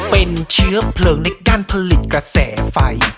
เป็นเชื้อเพลิงในด้านผลิตกระแสไฟ